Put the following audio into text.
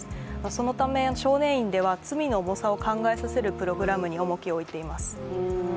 そのため少年院では罪の重さを考えさせるプログラムに重きを置いています。